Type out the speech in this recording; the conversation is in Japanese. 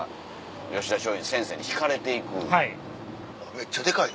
めっちゃデカい。